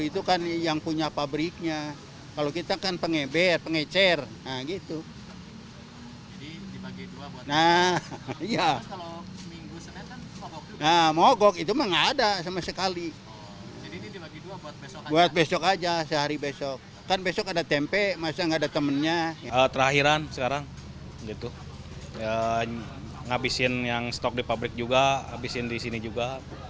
terakhiran sekarang ngabisin yang stok di pabrik juga ngabisin di sini juga